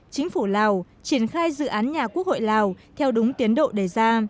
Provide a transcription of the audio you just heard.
chính phủ lào triển khai dự án nhà quốc hội lào theo đúng tiến độ đề ra